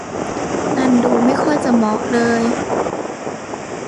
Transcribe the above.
นั่นดูไม่ค่อยจะเหมาะเลย